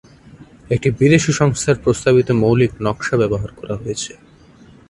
একটি বিদেশী সংস্থার প্রস্তাবিত মৌলিক নকশা ব্যবহার করা হয়েছে।